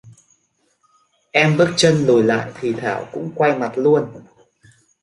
Em bước chân lùi lại thì thảo cũng quay mặt lại luôn